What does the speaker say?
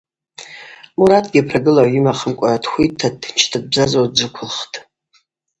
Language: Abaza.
Муратгьи прагылагӏв йымахымкӏва дхвитта, дтынчта дбзазауа дджвыквылхтӏ.